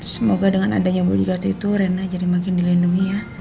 semoga dengan adanya boligarki itu rena jadi makin dilindungi ya